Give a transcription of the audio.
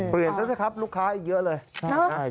เปลี่ยนซักครับลูกค้าอีกเยอะเลย